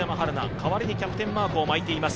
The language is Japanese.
代わりにキャプテンマークを巻いています。